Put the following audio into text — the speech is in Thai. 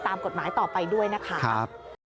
ตามกฎหมายต่อไปด้วยนะคะ